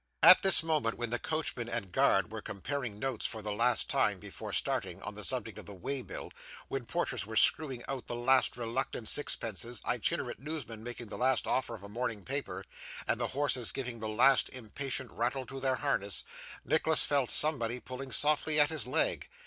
At this moment, when the coachman and guard were comparing notes for the last time before starting, on the subject of the way bill; when porters were screwing out the last reluctant sixpences, itinerant newsmen making the last offer of a morning paper, and the horses giving the last impatient rattle to their harness; Nicholas felt somebody pulling softly at his leg.